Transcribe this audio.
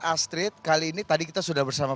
astrid kali ini tadi kita sudah bersama